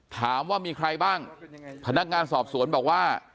ถามว่ามีใครบ้างพนักงานสอบสวนบอกว่า